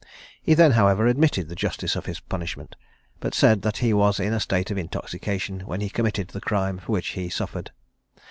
He then, however, admitted the justice of his punishment, but said that he was in a state of intoxication when he committed the crime for which he suffered.